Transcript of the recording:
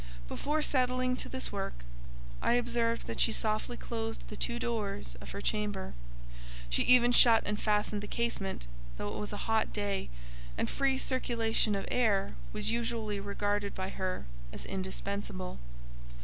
Before settling to this work, I observed that she softly closed the two doors of her chamber; she even shut and fastened the casement, though it was a hot day, and free circulation of air was usually regarded by her as indispensable.